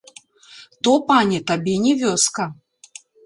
То, пане, табе не вёска!